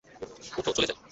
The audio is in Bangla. ওঠো, চল যাই।